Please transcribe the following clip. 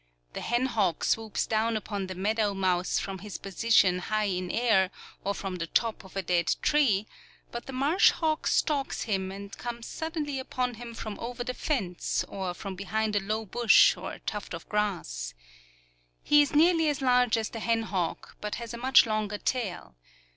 The hen hawk swoops down upon the meadow mouse from his position high in air, or from the top of a dead tree; but the marsh hawk stalks him and comes suddenly upon him from over the fence, or from behind a low bush or tuft of grass. He is nearly as large as the hen hawk, but has a much longer tail.